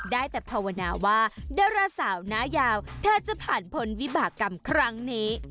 ได้แต่ภาวนาว่าดาราสาวหน้ายาวเธอจะผ่านพ้นวิบากรรมครั้งนี้